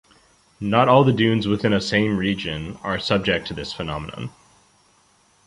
Not all the dunes within a same region are subject to this phenomenon.